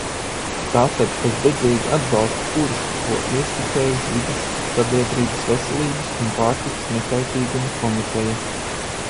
Tātad es dedzīgi atbalstu kursu, ko ieskicējusi Vides, sabiedrības veselības un pārtikas nekaitīguma komiteja.